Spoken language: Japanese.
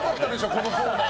このコーナー。